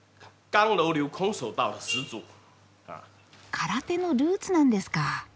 空手のルーツなんですか。